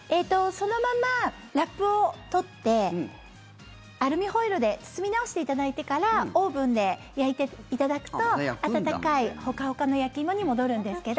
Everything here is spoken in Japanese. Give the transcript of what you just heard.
そのままラップを取ってアルミホイルで包み直していただいてからオーブンで焼いていただくと温かい、ほかほかの焼き芋に戻るんですけど。